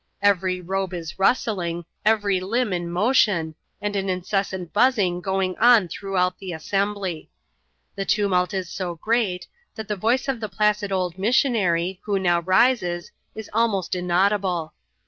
Every robe is rustling, every limb in motion, and an incessant buzzing going on throughout the assembly. The tumult is so great, that the voice of the placid old missionary, who now rises, is ahnost inaudible.